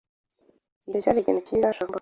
Icyo cyari ikintu cyiza cyashoboraga kumbaho.